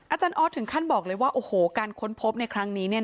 อาจารย์ออสถึงขั้นบอกเลยว่าโอ้โหการค้นพบในครั้งนี้เนี่ย